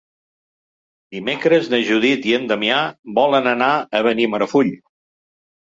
Dimecres na Judit i en Damià volen anar a Benimarfull.